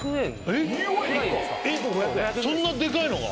えっそんなでかいのが？